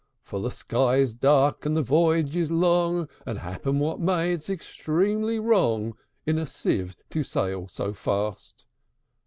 For the sky is dark, and the voyage is long; And, happen what may, it's extremely wrong In a sieve to sail so fast."